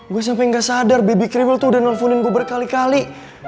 gue sampe ga sadar baby kriwil tuh udah nelfonin gue berkali kali